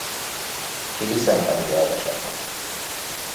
Chili szemtanúja az esetnek.